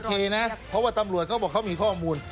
เคนะเพราะว่าตำรวจเขาบอกเขามีข้อมูล